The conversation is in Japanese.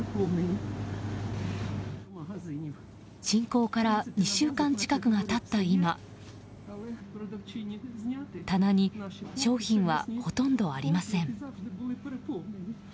侵攻から２週間近くが経った今棚に商品はほとんどありません。